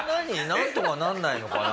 なんとかなんないのかな？